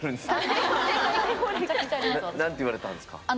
何て言われたんですか？